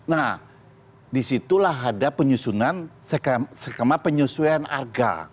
nah disitulah ada penyusunan sekama penyusunan agar